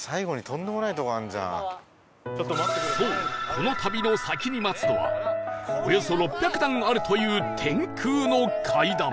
そうこの旅の先に待つのはおよそ６００段あるという天空の階段